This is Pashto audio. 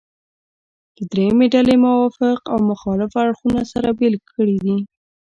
درېیمې ډلې موافق او مخالف اړخونه سره بېل کړي دي.